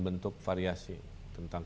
bentuk variasi tentang